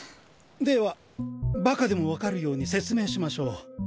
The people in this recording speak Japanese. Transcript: ではバカでも分かるように説明しましょう。